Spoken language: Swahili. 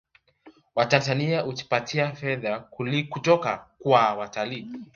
Watanzania hujipatia fedha kutoka kwa watalii